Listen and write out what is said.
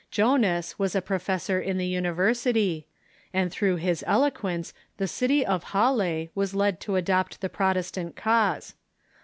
Jonas was a professor in the university, and through his eloquence the city of Halle was led to adopt the Protestant cause.